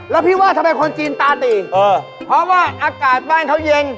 แล้วพี่ว่าทำไมคนจีนตาตีเพราะว่าอากาศบ้านเขาเย็น